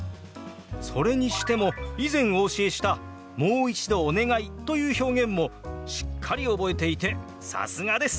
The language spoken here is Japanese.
それにしても以前お教えした「もう一度お願い」という表現もしっかり覚えていてさすがです！